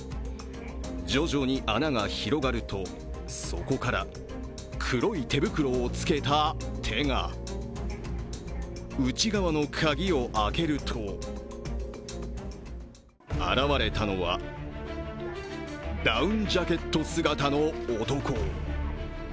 徐々に穴が広がると、そこから黒い手袋をつけた手が内側の鍵を開けると現れたのはダウンジャケット姿の男。